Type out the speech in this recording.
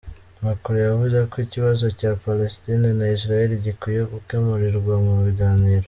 Macron yavuze ko ikibazo cya Palestine na Israel gikwiye gukemurirwa mu biganiro.